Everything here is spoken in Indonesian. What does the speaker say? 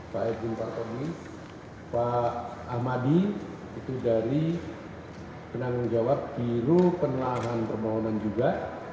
pak edwin pak tomi pak ahmadi itu dari penanggung jawab biro pemelahanan permohonan juga